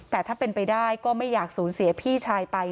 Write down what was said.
แต่ถ้าเป็นไปได้ก็ไม่อยากสูญเสียพี่ชายไป